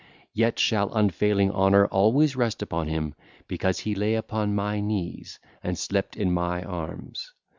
Yet shall unfailing honour always rest upon him, because he lay upon my knees and slept in my arms.